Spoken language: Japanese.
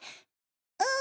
うん。